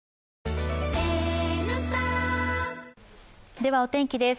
では、お天気です。